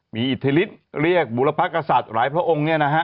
มีอิทธิฤทธิ์เรียกบุรพกษัตริย์หลายพระองค์